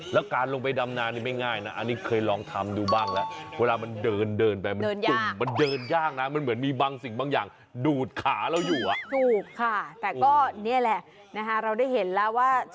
แล้วการลงไปดำนานนี่ไม่ง่ายนะอันนี้เคยลองทำดูบ้างแล้ว